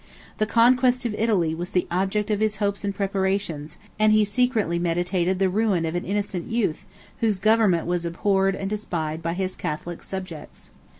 The conquest of Italy was the object of his hopes and preparations: and he secretly meditated the ruin of an innocent youth, whose government was abhorred and despised by his Catholic subjects.